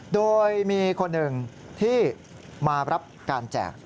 โดยมีคนหนึ่งที่มารับการแจก